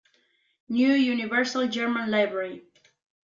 New Universal German Library.